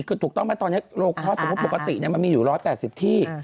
คือถูกต้องว่าตอนนี้โลกคอร์สปกติมันมีอยู่๑๘๐ที่